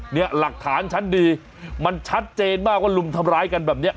เนี่ยหลักฐานชั้นดีมันชัดเจนมากว่าลุมทำร้ายกันแบบนี้